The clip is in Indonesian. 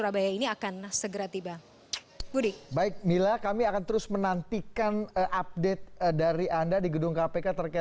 surabaya ini akan segera tiba budi baik mila kami akan terus menantikan update dari anda di gedung kpk terkait